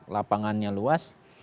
dua ribu dua puluh empat lapangannya luas